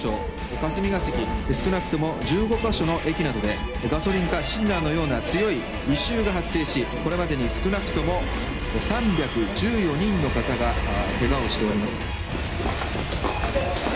霞ケ関少なくとも１５か所の駅などでガソリンかシンナーのような強い異臭が発生しこれまでに少なくとも３１４人の方がケガをしております。